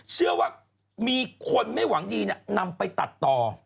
เชื่อว่ามีคนไม่หวังดีนำไปตัดต่อ